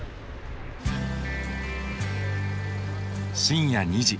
深夜２時。